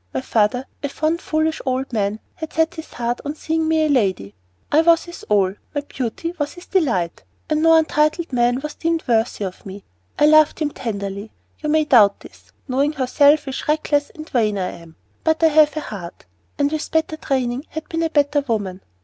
My father, a fond, foolish old man, had set his heart on seeing me a lady. I was his all; my beauty was his delight, and no untitled man was deemed worthy of me. I loved him tenderly. You may doubt this, knowing how selfish, reckless, and vain I am, but I have a heart, and with better training had been a better woman.